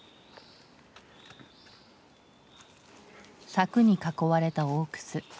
柵に囲われた大楠。